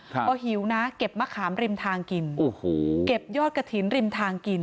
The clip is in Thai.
พอหิวนะเก็บมะขามริมทางกินโอ้โหเก็บยอดกระถิ่นริมทางกิน